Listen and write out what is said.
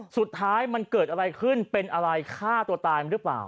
สุดท้ายมันเกิดอะไรขึ้นเป็นอะไรฆ่าตัวตายหรือเปล่า